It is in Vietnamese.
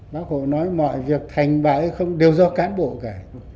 bác hồ nói mọi việc thành bại hay không đều do cán bộ cả